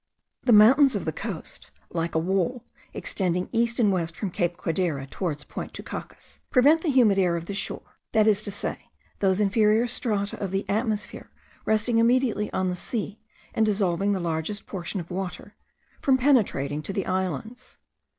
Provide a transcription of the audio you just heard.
The mountains of the coast, like a wall, extending east and west from Cape Codera toward Point Tucacas, prevent the humid air of the shore (that is to say, those inferior strata of the atmosphere resting immediately on the sea, and dissolving the largest proportion of water) from penetrating to the islands.